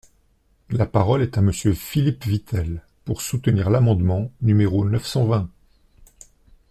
La parole est à Monsieur Philippe Vitel, pour soutenir l’amendement numéro neuf cent vingt.